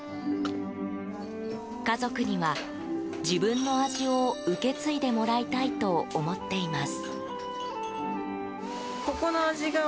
家族には自分の味を受け継いでもらいたいと思っています。